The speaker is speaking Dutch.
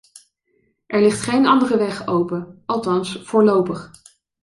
Er ligt geen andere weg open, althans voorlopig.